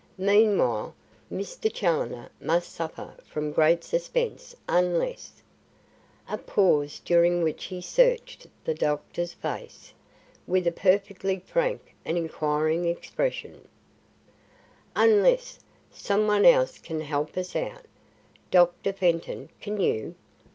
Meanwhile, Mr. Challoner must suffer from great suspense unless " a pause during which he searched the doctor's face with a perfectly frank and inquiring expression "unless some one else can help us out. Dr. Fenton, can you?"